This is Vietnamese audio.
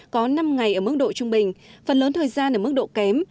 có năm ngày ở mức độ trung bình phần lớn thời gian ở mức độ kém